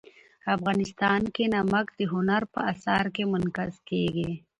افغانستان کې نمک د هنر په اثار کې منعکس کېږي.